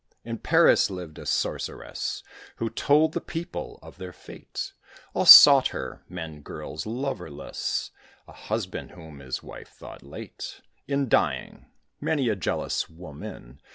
In Paris lived a Sorceress, Who told the people of their fate. All sought her: men; girls loverless; A husband whom his wife thought late In dying; many a jealous woman.